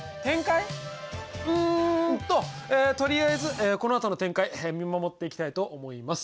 うんととりあえずこのあとの展開見守っていきたいと思います。